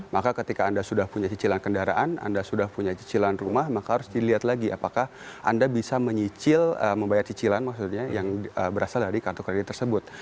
maka ketika anda sudah punya cicilan kendaraan anda sudah punya cicilan rumah maka harus dilihat lagi apakah anda bisa menyicil membayar cicilan maksudnya yang berasal dari kartu kredit tersebut